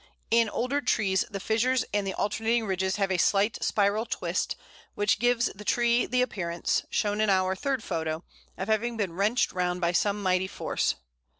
In older trees the fissures and the alternating ridges have a slight spiral twist, which gives the tree the appearance (shown in our third photo) of having been wrenched round by some mighty force.